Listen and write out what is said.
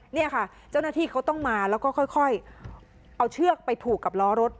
นี่ค่ะเจ้าหน้าที่เขาต้องมาแล้วก็ค่อยเอาเชือกไปผูกกับล้อรถ